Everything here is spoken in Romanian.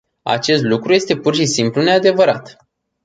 Acest lucru este pur și simplu neadevărat.